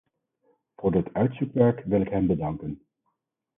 Voor dat uitzoekwerk wil ik hen bedanken.